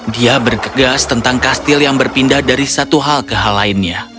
dia bergegas tentang kastil yang berpindah dari satu hal ke hal lainnya